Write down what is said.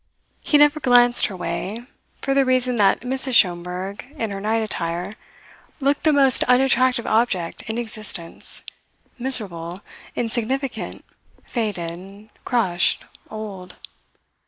He never glanced her way, for the reason that Mrs. Schomberg, in her night attire, looked the most unattractive object in existence miserable, insignificant, faded, crushed, old.